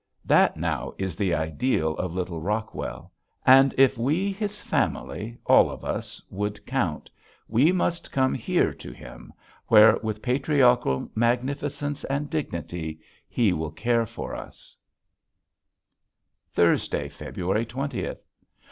That now is the ideal of little Rockwell. And if we, his family, all of us, would count we must come here to him where with patriarchal magnificence and dignity he will care for us. [Illustration: RUNNING WATER] Thursday, February twentieth.